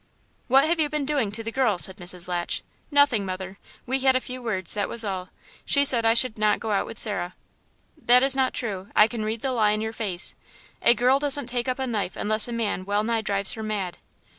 "What have you been doing to the girl?" said Mrs. Latch. "Nothing, mother.... We had a few words, that was all. She said I should not go out with Sarah." "That is not true.... I can read the lie in your face; a girl doesn't take up a knife unless a man well nigh drives her mad."